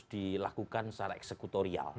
dilakukan secara eksekutorial